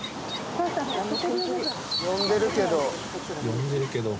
呼んでるけど。